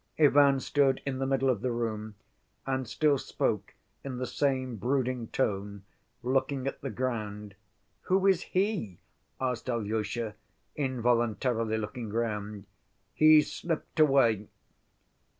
Ivan stood in the middle of the room, and still spoke in the same brooding tone, looking at the ground. "Who is he?" asked Alyosha, involuntarily looking round. "He's slipped away."